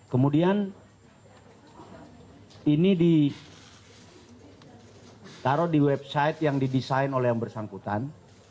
kemudian ini ditaruh di website yang didesain oleh yang bersangkutan